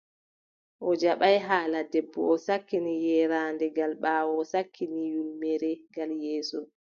O jaɓaay haala debbo, o sakkini yeeraande gal ɓaawo, o sakkini ƴulmere gal yeeso.